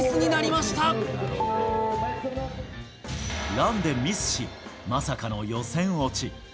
ランでミスし、まさかの予選落ち。